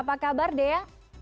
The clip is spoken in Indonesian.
apa kabar dea